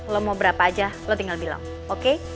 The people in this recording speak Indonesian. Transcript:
lo mau berapa aja lo tinggal bilang oke